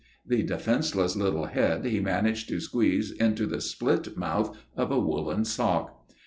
The defenceless little head he managed to squeeze into the split mouth of a woollen sock.